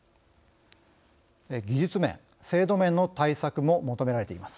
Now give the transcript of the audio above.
技術面・制度面の対策も求められています。